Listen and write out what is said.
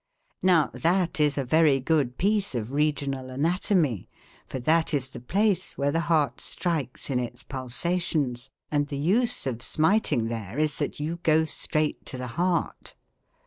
Now that is a very good piece of regional anatomy, for that is the place where the heart strikes in its pulsations, and the use of smiting there is that you go straight to the heart.